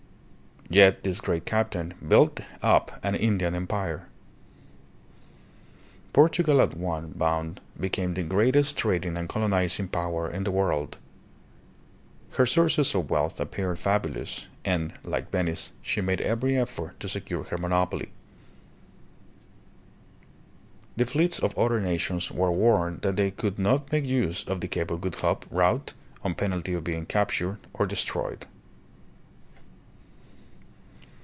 Yet this great captain built up an Indian empire. Portugal at one bound became the great est trading and colonizing power in the world. Her sources of wealth appeared fabulous, and, like Venice, she made every effort to secure her monopoly. The fleets of other nations were warned that they could not make use of the Cape of Good Hope route, on penalty of being captured or destroyed.